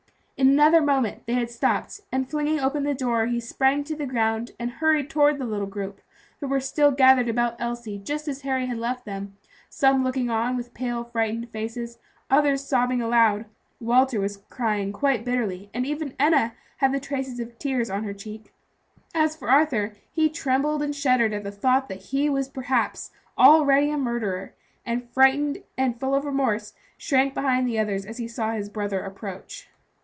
In another moment they had stopped, and flinging open the door, he sprang to the ground, and hurried toward the little group, who were still gathered about Elsie just as Harry had left them; some looking on with pale, frightened faces, others sobbing aloud. Walter was crying quite bitterly, and even Enna had the traces of tears on her cheeks. As for Arthur, he trembled and shuddered at the thought that he was perhaps already a murderer, and frightened and full of remorse, shrank behind the others as he saw his brother approach.